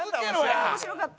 あ面白かった。